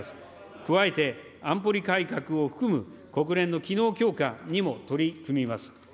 加えて、安保理改革を含む国連の機能強化にも取り組みます。